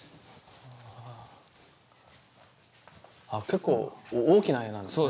結構大きな絵なんですね。